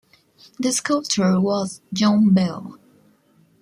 The sculptor was John Bell.